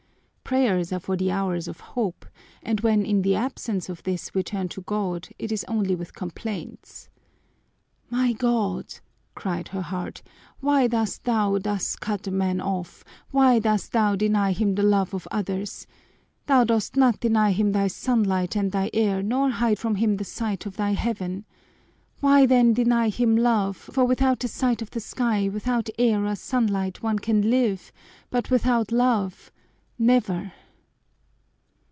Prayers are for the hours of hope, and when in the absence of this we turn to God it is only with complaints. "My God," cried her heart, "why dost Thou thus cut a man off, why dost Thou deny him the love of others? Thou dost not deny him thy sunlight and thy air nor hide from him the sight of thy heaven! Why then deny him love, for without a sight of the sky, without air or sunlight, one can live, but without love never!"